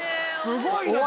すごい。